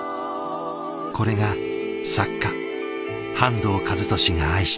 これが作家半藤一利が愛した昼ごはん。